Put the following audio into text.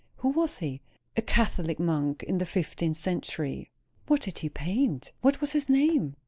"Who was he?" "A Catholic monk, in the fifteenth century." "What did he paint? What was his name?"